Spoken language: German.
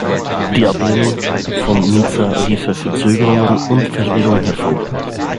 Die Ablehnung von Nizza riefe Verzögerungen und Verwirrung hervor.